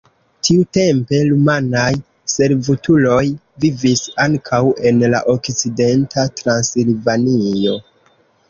Tiutempe rumanaj servutuloj vivis ankaŭ en la okcidenta Transilvanio.